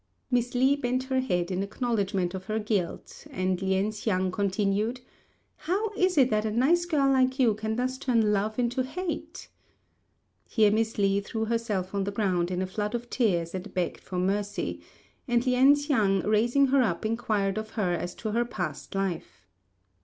Miss Li bent her head in acknowledgment of her guilt, and Lien hsiang continued, "How is it that a nice girl like you can thus turn love into hate?" Here Miss Li threw herself on the ground in a flood of tears and begged for mercy; and Lien hsiang, raising her up, inquired of her as to her past life.